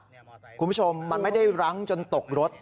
คุณผู้ชมมันไม่ได้รั้งจนตกรถ